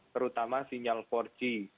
terutama sinyal empat g